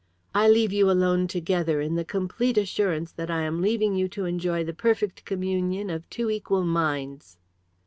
I leave you alone together, in the complete assurance that I am leaving you to enjoy the perfect communion of two equal minds."